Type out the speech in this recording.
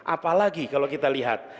apalagi kalau kita lihat